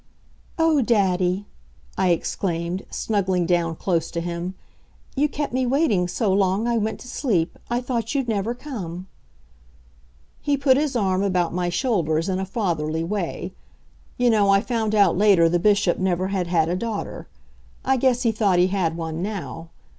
"Oh, daddy," I exclaimed, snuggling down close to him, "you kept me waiting so long I went to sleep. I thought you'd never come." He put his arm about my shoulders in a fatherly way. You know, I found out later the Bishop never had had a daughter. I guess he thought he had one now.